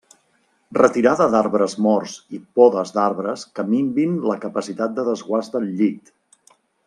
Retirada d'arbres morts i podes d'arbres que minvin la capacitat de desguàs del llit.